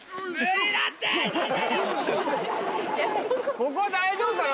ここ大丈夫かな？